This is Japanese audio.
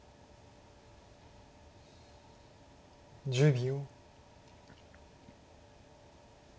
１０秒。